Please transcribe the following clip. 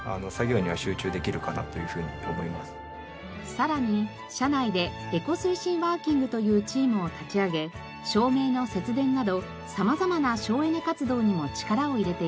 さらに社内でエコ推進ワーキングというチームを立ち上げ照明の節電など様々な省エネ活動にも力を入れています。